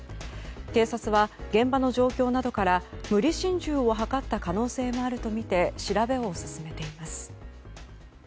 警察は、現場の状況などから無理心中を図った可能性もあるとみて調べを進めています。